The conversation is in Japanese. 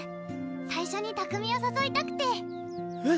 最初に拓海をさそいたくてえっ？